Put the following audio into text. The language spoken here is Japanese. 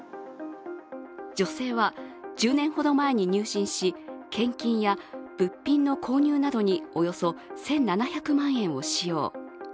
女性は１０年ほど前に入信し献金や物品の購入などにおよそ１７００万円を使用。